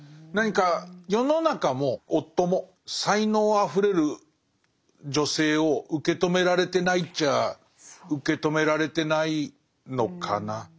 何か世の中も夫も才能あふれる女性を受け止められてないっちゃあ受け止められてないのかな。